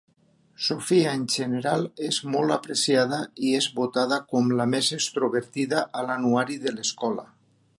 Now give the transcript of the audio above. Sofia en general és molt apreciada i és votada com "la Més Extrovertida" a l'anuari de l'escola.